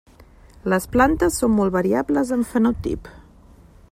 Les plantes són molt variables en fenotip.